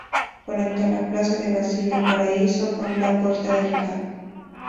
Conecta la plaza de Basilio Paraíso con la Puerta del Carmen.